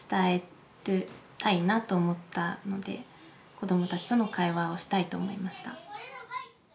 子どもたちとの会話をしたいと思いました。